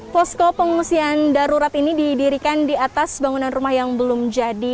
posko pengungsian darurat ini didirikan di atas bangunan rumah yang belum jadi